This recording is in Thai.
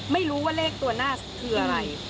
ไม่รู้ว่าเลขตัวหน้าคืออะไร